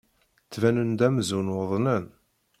Ttbanen-d amzun uḍnen.